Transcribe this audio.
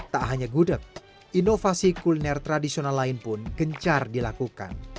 tak hanya gudeg inovasi kuliner tradisional lain pun gencar dilakukan